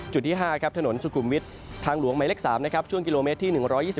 จุดที่ห้าถนนสุกุมวิททางหลวงไหมเล็ก๓ช่วงกิโลเมตรที่๑๒๙๑๓๐